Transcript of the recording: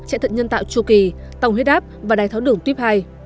trại thận nhân tạo chua kỳ tòng huyết áp và đài tháo đường tuyếp hai